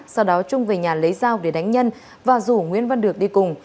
sau đó trung về nhà lấy dao để đánh nhân và rủ nguyễn văn được đi cùng